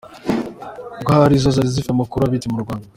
Rw ari zo zari zifite amakuru abitse mu Rwanda.